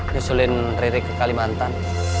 nyusulin riri ke kalimantan